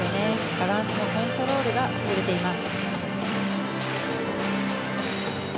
バランスのコントロールが優れています。